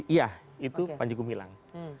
iya itu panjegu milang